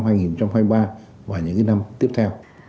và những năm tiếp theo